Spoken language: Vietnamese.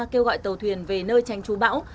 kêu gọi tàu thuyền về nơi tránh trú bão